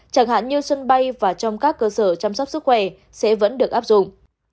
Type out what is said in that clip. chẳng hạn như sân bay và trong các cơ sở chăm sóc sức khỏe sẽ vẫn được áp dụng